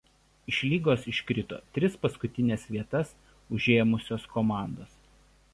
Iš lygos iškrito tris paskutines vietas užėmusios komandos.